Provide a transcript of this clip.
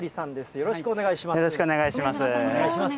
よろしくお願いします。